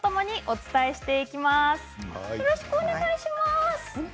よろしくお願いします。